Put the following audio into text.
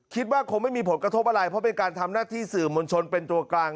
คิดว่าคงไม่มีผลกระทบอะไรเพราะเป็นการทำหน้าที่สื่อมวลชนเป็นตัวกลาง